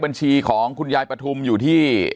บัญชีของคุณยายปฐุมอยู่ที่